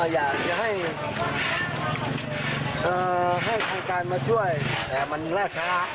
อยากจะให้ทางการมาช่วยแต่มันล่าช้า